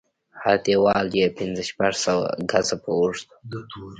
هر دېوال يې پنځه شپږ سوه ګزه به اوږد و.